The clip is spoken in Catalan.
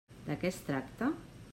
De què es tracta?